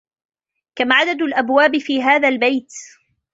كم عدد الأبواب في هذا البيت؟